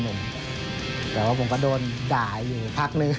แต่ว่าผมก็โดนด่าอยู่พักนึง